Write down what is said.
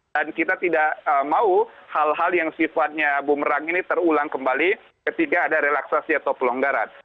dan kita tidak mau hal hal yang sifatnya bumerang ini terulang kembali ketika ada relaksasi atau pelonggaran